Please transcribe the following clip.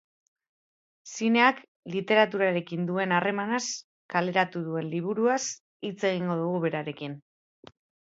Zineak literaturarekin duen harremanaz kaleratu duen liburuaz hitz egingo dugu berarekin.